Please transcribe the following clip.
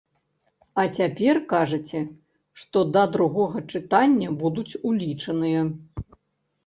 А цяпер кажаце, што да другога чытання будуць улічаныя.